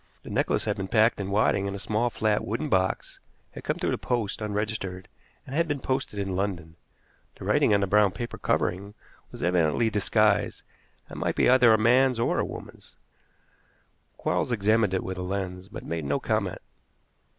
The necklace had been packed in wadding in a small, flat, wooden box, had come through the post, unregistered, and had been posted in London. The writing on the brown paper covering was evidently disguised, and might be either a man's or a woman's. Quarles examined it with a lens, but made no comment.